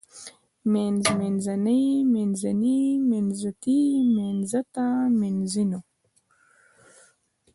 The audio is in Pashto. منځ منځنۍ منځني منځتی منځته منځنيو